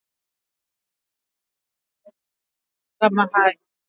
Tigray anafaa kujiuzulu katika wadhifa wake iwapo ataendelea kutoa matamshi kama hayo